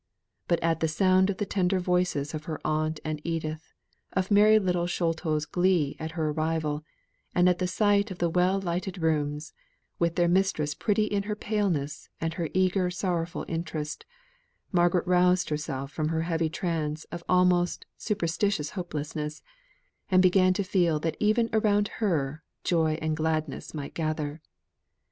But at the sound of the tender voices of her aunt and Edith, of merry little Sholto's glee at her arrival, and at the sight of the well lighted rooms, with their mistress, pretty in her paleness and her eager sorrowful interest, Margaret roused herself from her heavy trance of almost superstitious hopelessness, and began to feel that even around her joy and gladness might gather.